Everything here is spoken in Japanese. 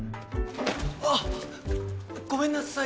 あっごめんなさい